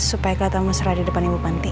supaya kelihatanmu serah di depan ibu panti